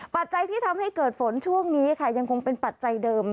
ปัจจัยที่ทำให้เกิดฝนช่วงนี้ค่ะยังคงเป็นปัจจัยเดิม